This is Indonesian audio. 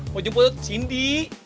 mau jemput sindi